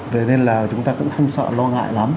vậy nên là chúng ta cũng không sợ lo ngại lắm